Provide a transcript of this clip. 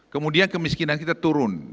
kemudian kemiskinan kita turun